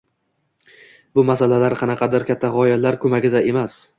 Bu masalalar qanaqadir katta ogʻalar koʻmagida emas